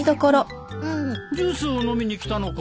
ジュースを飲みに来たのか。